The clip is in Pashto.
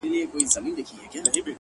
راسه دروې ښيم؛